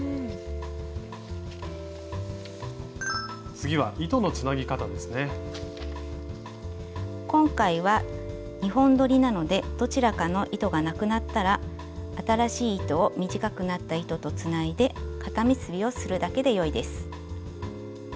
次は今回は２本どりなのでどちらかの糸がなくなったら新しい糸を短くなった糸とつないで固結びをするだけでよいです。